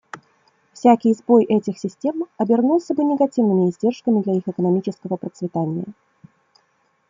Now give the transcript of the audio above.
Всякий сбой этих систем обернулся бы негативными издержками для их экономического процветания.